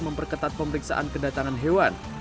memperketat pemeriksaan kedatangan hewan